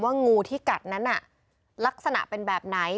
งูที่กัดนั้นน่ะลักษณะเป็นแบบไหน